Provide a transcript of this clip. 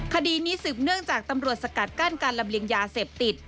คดีนี้สืบเนื่องจากตำรวจสกัดกั้นการลำเลียงยาเสพติด